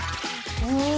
うん。